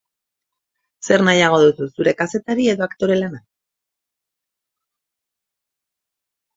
Zer nahiago duzu zure kazetari edo aktore lana?